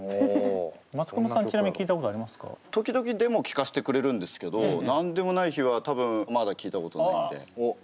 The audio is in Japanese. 時々デモ聴かせてくれるんですけど「なんでもない日」は多分まだ聴いたことないんで。